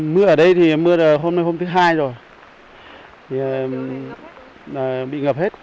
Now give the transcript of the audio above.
mưa ở đây thì mưa hôm nay hôm thứ hai rồi bị ngập hết